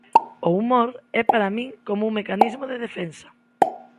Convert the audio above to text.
O humor é para min como un mecanismo de defensa.